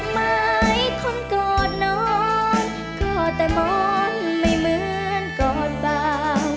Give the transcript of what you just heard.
ไม่ควรกอดนอนก็แต่หมอนไม่เหมือนกอดเบา